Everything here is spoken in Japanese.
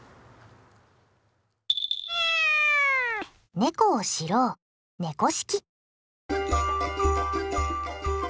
猫を知ろう「猫識」。